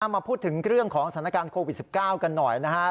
มาพูดถึงเรื่องของสถานการณ์โควิด๑๙กันหน่อยนะครับ